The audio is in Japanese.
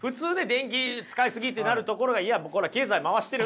「電気使い過ぎ！」ってなるところがいやこれは経済回してる。